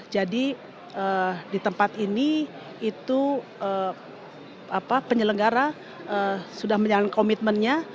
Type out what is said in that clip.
di tempat ini itu penyelenggara sudah menjalankan komitmennya